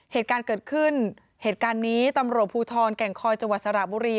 เหตุการณ์เกิดขึ้นเหตุการณ์นี้ตำรวจภูทรแก่งคอยจังหวัดสระบุรี